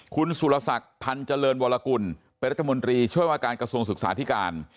คุณสุรศักดิ์พันธ์เจริญวรกุลเป็นรัฐมนตรีช่วยว่าการกระทรวงศึกษาธิการ